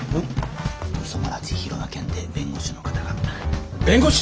磯村千尋の件で弁護士の方が。